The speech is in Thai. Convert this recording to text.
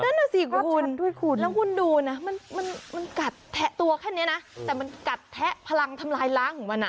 นั่นน่ะสิคุณแล้วคุณดูนะมันกัดแทะตัวแค่นี้นะแต่มันกัดแทะพลังทำลายล้างของมันอ่ะ